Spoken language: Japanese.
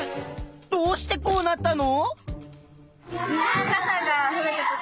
どうしてこうなったの？